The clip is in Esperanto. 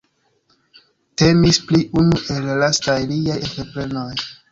Temis pri unu el la lastaj liaj entreprenoj.